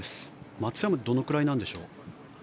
松山はどのくらいなんでしょう？